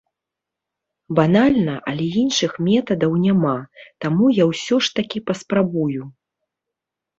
Банальна, але іншых метадаў няма, таму я ўсё ж такі паспрабую.